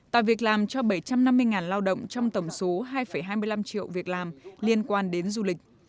tạo việc làm cho bảy trăm năm mươi lao động trong tổng số hai hai mươi năm triệu việc làm liên quan đến du lịch